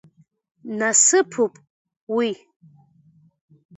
Насыԥуп уи…